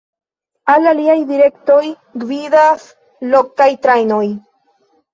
Al aliaj direktoj gvidas lokaj trajnoj.